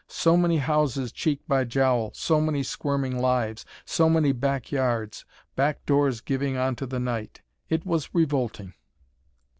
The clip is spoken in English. So many houses cheek by jowl, so many squirming lives, so many back yards, back doors giving on to the night. It was revolting.